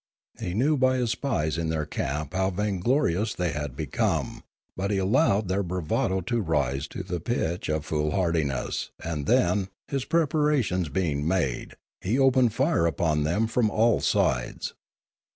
He knew by his spies in their camp how vainglorious they had become; but he allowed their bravado to rise to the pitch of fool hardiness, and then, his preparations being made, he opened fire upon them, from all sides.